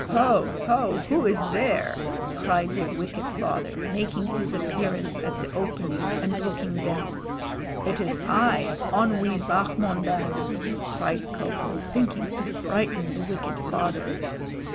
"Ho! ho! who is there?" cried the wicked father, making his appearance at the opening and looking down. "It is I, Onwee Bahmondang!" cried Ko ko, thinking to frighten the wicked father.